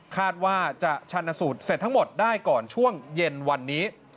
คาดว่าจะชันสูตรเสร็จทั้งหมดได้ก่อนช่วงเย็นวันนี้